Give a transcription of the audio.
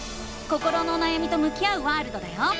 心のおなやみと向き合うワールドだよ！